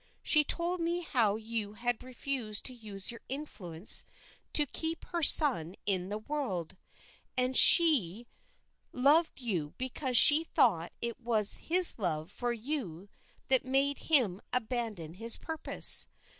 She told me how you had refused to use your influence to keep her son in the world, and she loved you because she thought it was his love for you that made him abandon his purpose.